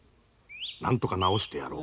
なんとか治してやろう。